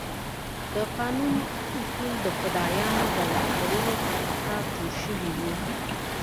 د قانون اصول د خدایانو د لارښوونو پر اساس جوړ شوي وو.